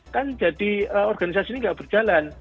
kan jadi organisasi ini nggak berjalan